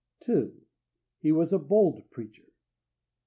2. He was a bold preacher.